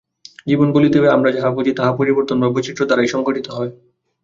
জীবন বলিতে আমরা যাহা বুঝি, তাহা পরিবর্তন বা বৈচিত্র্য দ্বারাই সংঘটিত হয়।